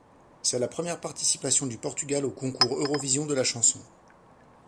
C'est la première participation du Portugal au Concours Eurovision de la chanson.